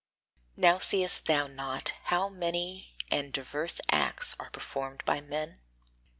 Now seest thou not how many and diverse acts are performed by men?